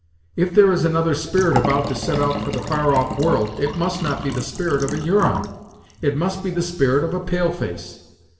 If there is another spirit about to set out for the far off world, it must not be the spirit of a Huron; it must be the spirit of a pale face.